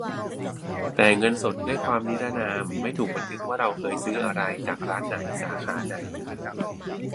แต่เงินสดได้ความนรินาม ไม่ถูกบันทึกว่าเราเคยซื้ออะไร จากร้านไหน สาขาไหน